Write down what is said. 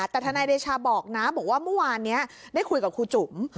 แต่ทนายเดชาบอกนะบอกว่าเมื่อวานนี้ได้คุยกับครูจุ๋ม